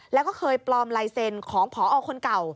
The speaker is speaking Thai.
แล้วก็เคยปลอมลายเซ็นต์ของพอคนเก่า